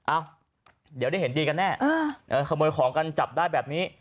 อ้าวเดี๋ยวได้เห็นดีกันแน่ขโมยของกันจับได้แบบนี้